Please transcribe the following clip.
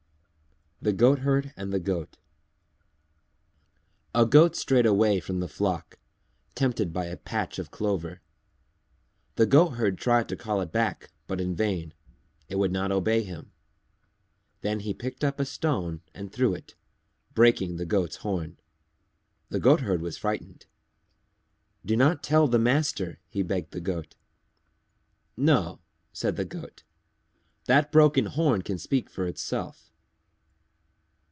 _ THE GOATHERD AND THE GOAT A Goat strayed away from the flock, tempted by a patch of clover. The Goatherd tried to call it back, but in vain. It would not obey him. Then he picked up a stone and threw it, breaking the Goat's horn. The Goatherd was frightened. "Do not tell the master," he begged the Goat. "No," said the Goat, "that broken horn can speak for itself!"